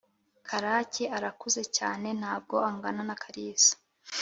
karake arakuze cyane ntabwo angana na kalisa